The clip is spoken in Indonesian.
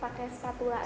pakai spatula aja